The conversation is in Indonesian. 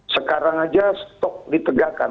sekarang aja stok ditegakkan